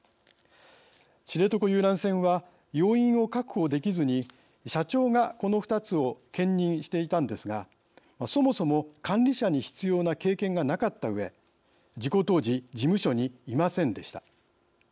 知床遊覧船は要員を確保できずに社長が、この２つを兼任していたんですがそもそも管理者に必要な経験がなかったうえ事故当時事務所にいませんでした。